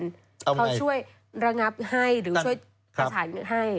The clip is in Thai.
เขาช่วยระงับให้หรือช่วยประสานให้